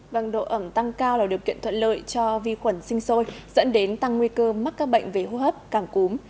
vâng độ ẩm tăng cao là điều kiện thuận lợi cho vi khuẩn sinh sôi dẫn đến tăng nguy cơ mắc các bệnh về hô hấp càng cúm